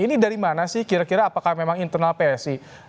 ini dari mana sih kira kira apakah memang internal psi